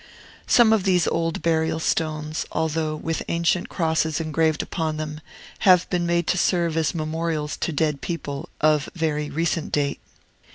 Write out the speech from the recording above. Some of these old burial stones, although with ancient crosses engraved upon them, have been made to serve as memorials to dead people of very recent date.